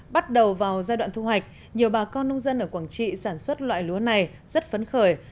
bắt đầu vào giai đoạn thu hoạch nhiều bà con nông dân ở quảng trị sản xuất loại lúa này rất phấn khởi